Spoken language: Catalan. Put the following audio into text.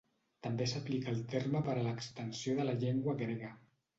També s'aplica el terme per a l'extensió de la llengua grega.